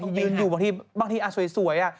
ตีหูเตะตาย